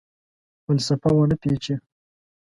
فلسفه ونه پیچي